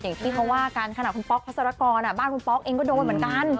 อย่างที่เขาว่ากันขณะคุณป๊อกพัศรกรบ้านคุณป๊อกเองก็โดนเหมือนกัน